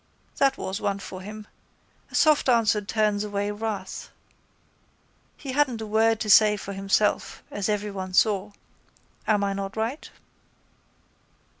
That was one for him. A soft answer turns away wrath. He hadn't a word to say for himself as everyone saw. Am I not right?